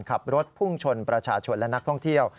ขับรถพุ่งชนประชาชนและนักท่องเที่ยว